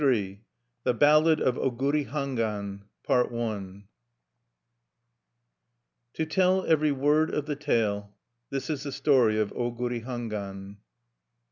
_ THE BALLAD OF OGURI HANGWAN To tell every word of the tale, this is the story of Oguri Hangwan.